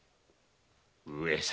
上様！